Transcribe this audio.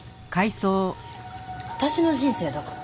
私の人生だから。